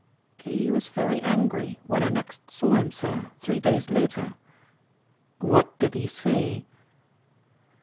"He was very angry when I next saw him, sir, three days later." "What did he say?"